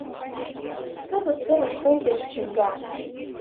Кызыт кырыш кол пеш чӱҥга.